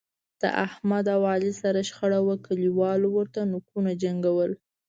د احمد او علي سره شخړه وه، کلیوالو ورته نوکونو جنګول.